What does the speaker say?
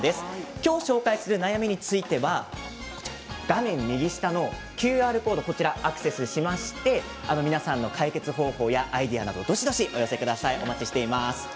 今日紹介する悩みについては画面右下のＱＲコードアクセスしまして皆さんの解決方法やアイデアなど、どしどしお寄せください、お待ちしています。